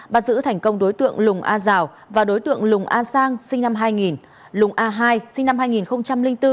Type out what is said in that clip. bắt giữ thành công đối tượng lùng a giào và đối tượng lùng a sang sinh năm hai nghìn lùng a hai sinh năm hai nghìn bốn